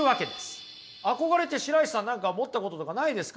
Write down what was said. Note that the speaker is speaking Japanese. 憧れって白石さん何か持ったこととかないですか？